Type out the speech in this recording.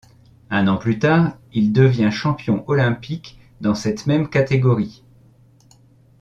Un an plus tard, il devient champion olympique dans cette même catégorie.